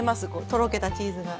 とろけたチーズが。